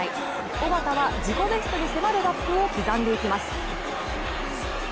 小方は自己ベストに迫るラップを刻んでいきます。